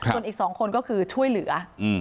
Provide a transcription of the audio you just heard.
ส่วนอีก๒คนก็คือช่วยเหลือ